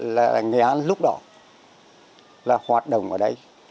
là nghệ an lúc đó là hoạt động ở đây